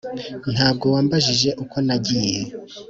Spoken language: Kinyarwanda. Ntabwo wambajije uko nagiye